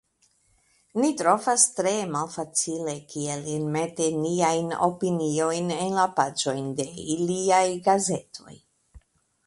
Ni trovas tre malfacile kiel enmeti nian opinion en la paĝojn de iliaj gazetoj"".